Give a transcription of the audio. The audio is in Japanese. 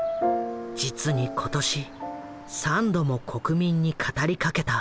実に今年３度も国民に語りかけた。